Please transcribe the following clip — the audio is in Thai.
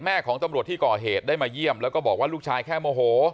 ของตำรวจที่ก่อเหตุได้มาเยี่ยมแล้วก็บอกว่าลูกชายแค่โมโห